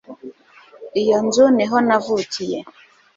Iyo nzu niho navukiye